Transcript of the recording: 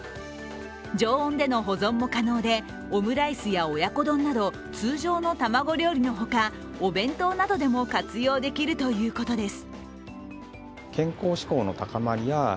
常温での保存も可能でオムライスや親子丼など通常の卵料理の他、お弁当などでも活用できるということです。